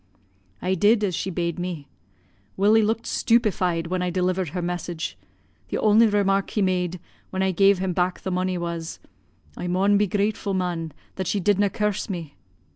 "I did as she bade me. Willie looked stupified when I delivered her message. The only remark he made, when I gave him back the money, was, 'I maun be gratefu', man, that she did na' curse me.'